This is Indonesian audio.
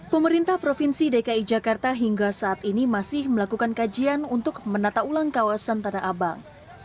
pemerintah provinsi dki jakarta hingga saat ini masih melakukan kajian untuk menata ulang kawasan tanah abang